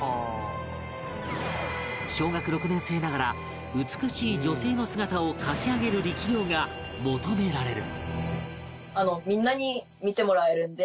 小学６年生ながら美しい女性の姿を描き上げる力量が求められる